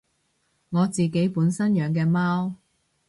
我自己本身養嘅貓